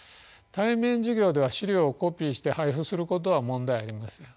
対面授業では資料をコピーして配布することは問題ありません。